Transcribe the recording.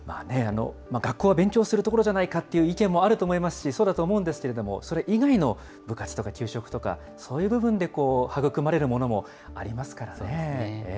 学校は勉強するところじゃないかという意見もあると思いますし、そうだと思うんですけれども、それ以外の部活とか給食とかそういう部分で育まれるものもありますからね。